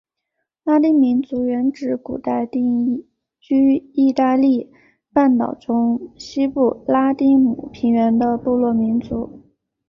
拉丁民族原指古代定居义大利半岛中西部拉丁姆平原的部落民族。